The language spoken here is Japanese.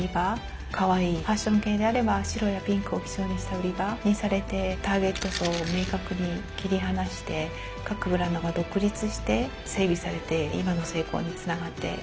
かわいいファッション系であれば白やピンクを基調にした売り場にされてターゲット層を明確に切り離して各ブランドが独立して整備されて今の成功につながっております。